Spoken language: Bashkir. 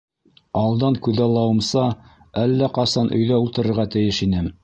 Алдан күҙаллауымса, әллә ҡасан өйҙә ултырырға тейеш инем.